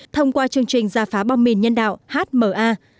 thông qua chương trình giả phá bom mìn nhân đạo hma